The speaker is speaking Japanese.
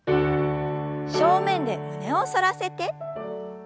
正面で胸を反らせて。